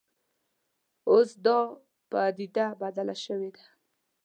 اوس دا په پدیده بدله شوې ده